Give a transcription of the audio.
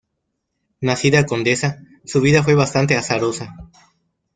Nacida condesa, su vida fue bastante azarosa.